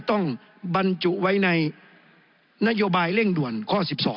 ต้องบรรจุไว้ในนโยบายเร่งด่วนข้อ๑๒